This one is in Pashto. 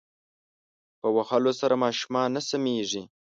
په وهلو سره ماشومان نه سمیږی